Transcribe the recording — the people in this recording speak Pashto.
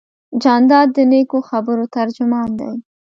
جانداد د نیکو خبرو ترجمان دی.